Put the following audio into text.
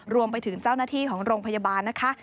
รวมไปถึงเจ้าหน้าที่ของโรงพยาบาลนะคะ